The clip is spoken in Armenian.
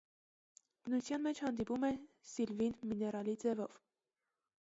Բնության մեջ հանդիպում է սիլվին միներալի ձևով։